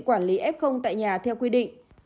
quản lý f tại nhà theo quy định